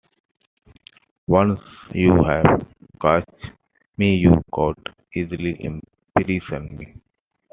Once you've caught me you could easily imprison me.